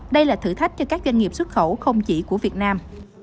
đây là thử thách cho các doanh nghiệp xuất khẩu không chỉ của việt nam